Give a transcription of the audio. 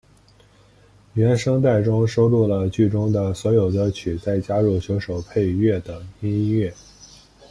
原声带中收录了剧中的所有歌曲再加入九首配乐的音乐。